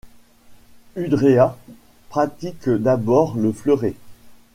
Udrea pratique d'abord le fleuret.